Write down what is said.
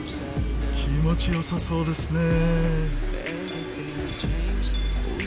気持ち良さそうですね。